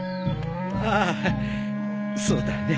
ああそうだね。